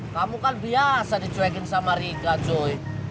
kamu kan biasa dicuekin sama rika cuy